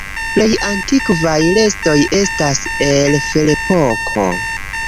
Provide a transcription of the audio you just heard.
Plej antikvaj restoj estas el Ferepoko.